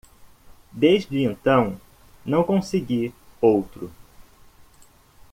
Desde então, não consegui outro.